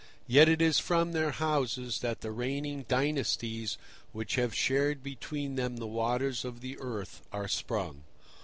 Yet it is from their houses that the reigning dynasties which have shared between them the waters of the earth are sprung.